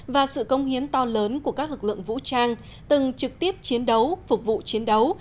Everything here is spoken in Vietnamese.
và sự công hiến to lớn của các lực lượng vũ trang từng trực tiếp chiến đấu phục vụ chiến đấu